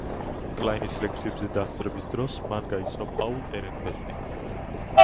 კლაინის ლექციებზე დასწრების დროს მან გაიცნო პაულ ერენფესტი.